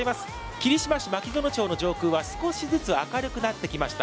霧島市牧園町の上空は少しずつ明るくなってきました。